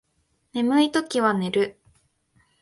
眠いときは寝る